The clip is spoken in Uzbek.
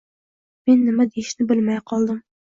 Men nima deyishni bilmay qoldim